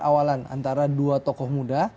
awalan antara dua tokoh muda